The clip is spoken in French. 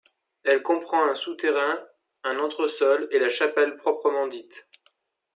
Elle comprend un souterrain, un entresol et la chapelle proprement dite.